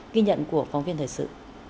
ghi nhận của phóng viên thời sự